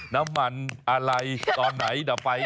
น้ำมันอะไรตอนไหนดับไฟ